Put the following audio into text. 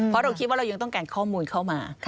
เพราะเราคิดว่าเรายังต้องการข้อมูลเข้ามา